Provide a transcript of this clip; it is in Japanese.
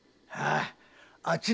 ああ。